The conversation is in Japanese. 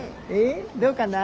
どうかな？